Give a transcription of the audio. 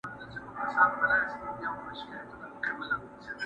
ښکارېدی چی بار یې دروند وو پر اوښ زور وو!!